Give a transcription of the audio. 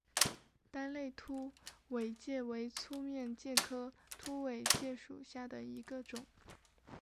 单肋凸尾介为粗面介科凸尾介属下的一个种。